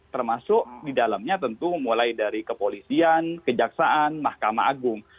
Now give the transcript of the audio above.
termasuk di dalamnya tentu mulai dari kepolisian kejaksaan mahkamah agung